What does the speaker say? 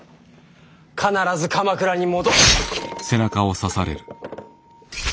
必ず鎌倉に戻。